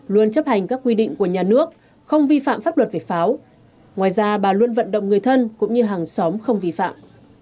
luôn chấp hành các quy định của nhà nước không vi phạm pháp luật về pháo ngoài ra bà luôn vận động người thân cũng như hàng xóm không vi phạm